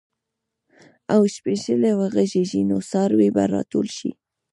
که شپېلۍ وغږېږي، نو څاروي به راټول شي.